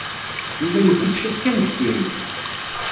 Yuba yuki-d cwiṭ kan deffir-i.